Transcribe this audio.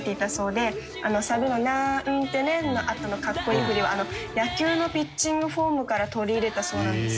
サビの「なんてね」のあとの格好いい振りは野球のピッチングフォームから取り入れたそうなんです。